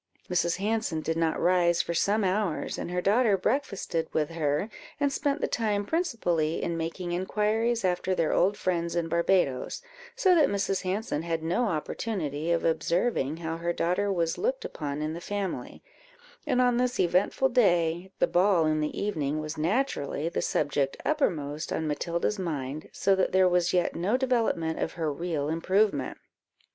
Mrs. Hanson did not rise for some hours, and her daughter breakfasted with her, and spent the time principally in making inquiries after their old friends in Barbadoes, so that Mrs. Hanson had no opportunity of observing how her daughter was looked upon in the family, and on this eventful day, the ball in the evening was naturally the subject uppermost on Matilda's mind, so that there was yet no development of her real improvement.